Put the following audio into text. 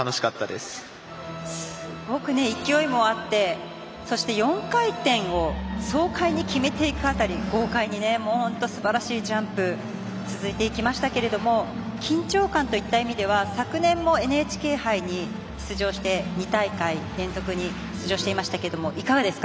すごく勢いもあってそして４回転を爽快に決めていく辺り豪快に本当にすばらしいジャンプ続いていきましたけれども緊張感といった意味では昨年もＮＨＫ杯に出場して２大会連続で出場していましたけどもいかがでしたか。